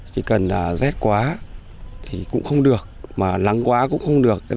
chỉ cần là rét quá thì cũng không được mà lắng quá cũng không được